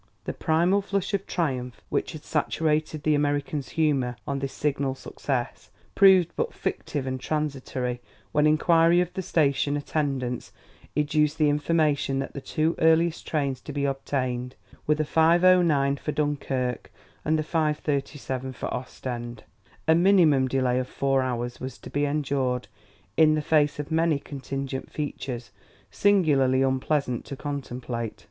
The primal flush of triumph which had saturated the American's humor on this signal success, proved but fictive and transitory when inquiry of the station attendants educed the information that the two earliest trains to be obtained were the 5:09 for Dunkerque and the 5:37 for Ostend. A minimum delay of four hours was to be endured in the face of many contingent features singularly unpleasant to contemplate.